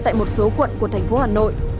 tại một số quận của thành phố lạng sơn